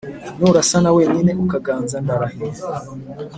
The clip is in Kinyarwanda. nurasana wenyine ukaganza ndarahiye!